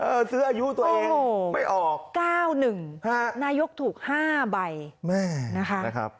ซื้ออายุตัวเองไม่ออก๙๑นายกถูก๕ใบแม่นะคะ